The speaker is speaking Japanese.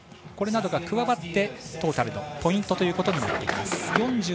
これなどが加わってトータルのポイントということになります。